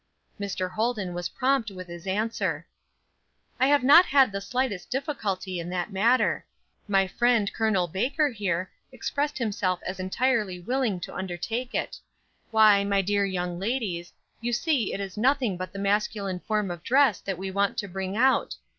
Mr. Holden was prompt with his answer: "I have had not the slightest difficulty in that matter. My friend, Col. Baker here, expressed himself as entirely willing to undertake it. Why, my dear young ladies, you see it is nothing but the masculine form of dress that we want to bring out.